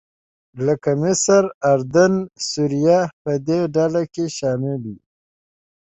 لکه مصر، اردن او سوریه په دې ډله کې شامل دي.